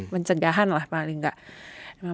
mencegahan lah paling enggak